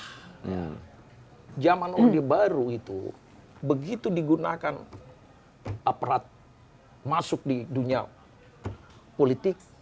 karena zaman orde baru itu begitu digunakan aparat masuk di dunia politik